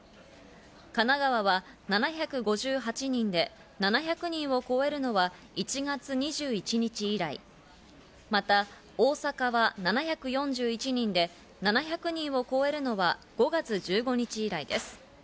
神奈川は７５８人で、７００人を超えるのは１月２１日以来、また、大阪は７４１人で７００人を超えるのは５月１５日以来です。